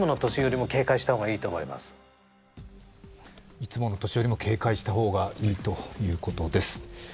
いつもの年よりも警戒した方がいいということです。